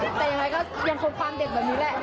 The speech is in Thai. แต่ยังไงก็ยังคงความเด็กแบบนี้แหละ